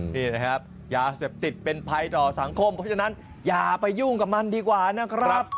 นี่นะครับยาเสพติดเป็นภัยต่อสังคมเพราะฉะนั้นอย่าไปยุ่งกับมันดีกว่านะครับ